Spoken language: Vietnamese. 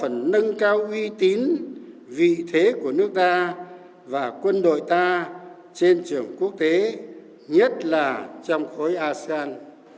phần nâng cao uy tín vị thế của nước ta và quân đội ta trên trường quốc tế nhất là trong khối asean